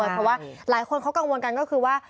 เพราะว่าหลายคนเขากังวลกันก็คือว่า